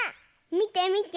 みてみて。